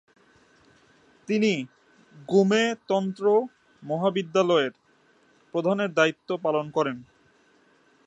তিনি গ্যুমে তন্ত্র মহাবিদ্যালয়ের প্রধানের দায়িত্ব পালন করেন।